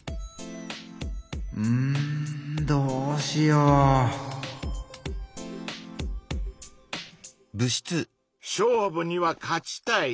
うんどうしよう⁉勝負には勝ちたい。